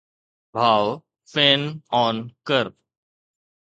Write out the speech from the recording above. ڀاءُ، fan on ڪر